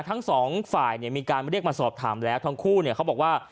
ทั้งสองฝ่ายมีการเรียกมาสอบถามแล้วทั้งคู่เนี่ยเขาบอกว่า